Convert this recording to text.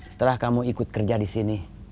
setelah kamu ikut kerja di sini